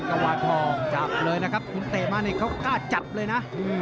กวาดทองจับเลยนะครับคุณเตะมานี่เขากล้าจับเลยนะ